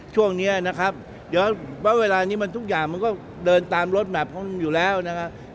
ช่วงนี้นะครับเดี๋ยวเวลานี้มันทุกอย่างมันก็เดินตามรถแมพของมันอยู่แล้วนะครับ